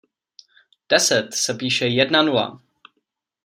Deset se píše jedna nula.